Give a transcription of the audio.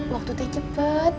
waktu teh cepet